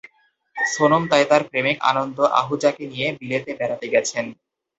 সোনম তাই তাঁর প্রেমিক আনন্দ আহুজাকে নিয়ে বিলেতে বেড়াতে গেছেন।